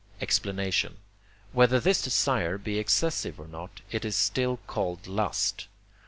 Explanation Whether this desire be excessive or not, it is still called lust.